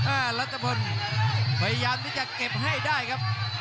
รัฐพลพยายามที่จะเก็บให้ได้ครับ